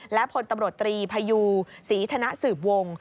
และพลตำรวจตรีพยูศรีธนสืบวง